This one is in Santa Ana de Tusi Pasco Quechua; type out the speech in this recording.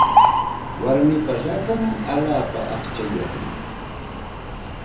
Warmipa rakan allaapa aqchayuqmi.